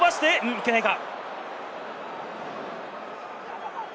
いけないか。